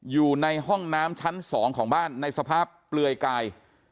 อยู่ในห้องน้ำชั้น๒ของบ้านในสภาพเปลือยกาย